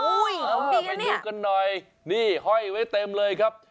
มันดีกันเนี้ยเอาไปดูกันหน่อยนี่เฮ้ยไว้เต็มเลยครับ